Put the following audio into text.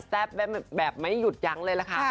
แบบไม่หยุดยั้งเลยล่ะค่ะ